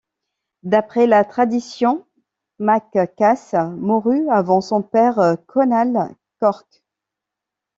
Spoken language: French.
D'après la tradition, Mac Cass mourut avant son père, Conall Corc.